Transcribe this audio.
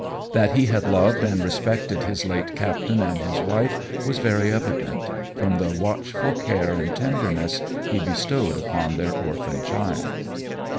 That he had loved and respected his late captain and his wife was very evident, from the watchful care and tenderness he bestowed upon their orphan child.